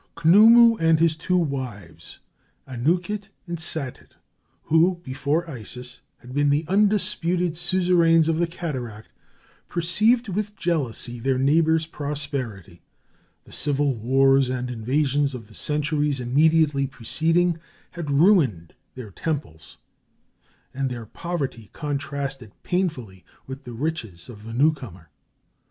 Knumu and his two wives, Anukit and Satit, who, before Isis, had been the undisputed suzerains of the cataract, perceived with jealousy their neighbor's prosperity: the civil wars and invasions of the centuries immediately preceding had ruined their temples, and their poverty contrasted painfully with the riches of the new comer.